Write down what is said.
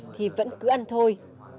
thì vẫn cứ ăn thôi